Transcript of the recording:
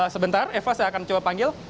sebentar eva saya akan coba panggil